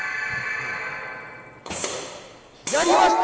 やりました！